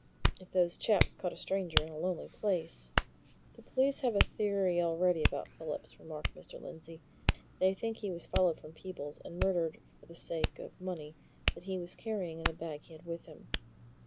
"If those chaps caught a stranger in a lonely place " "The police have a theory already about Phillips," remarked Mr. Lindsey. "They think he was followed from Peebles, and murdered for the sake of money that he was carrying in a bag he had with him.